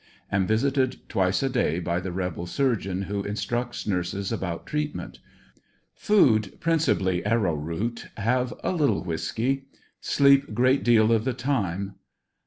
Am visited twice a day by the rebel surgeon who instructs nurses about treatment. Food principally arrow root; have a little whisky. Sleep great deal of the time.